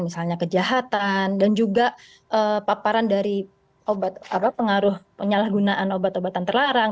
misalnya kejahatan dan juga paparan dari pengaruh penyalahgunaan obat obatan terlarang